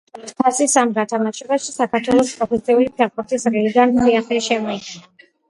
საქართველოს თასის ამ გათამაშებაში საქართველოს პროფესიული ფეხბურთის ლიგამ სიახლე შემოიტანა.